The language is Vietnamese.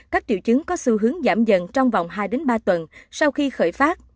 các triệu chứng có xu hướng giảm dần trong vòng hai ba tuần sau khi khởi phát